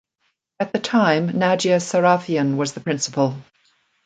At the time Nadya Sarafian was the principal.